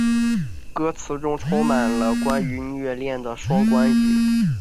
歌词中充满了关于虐恋的双关语。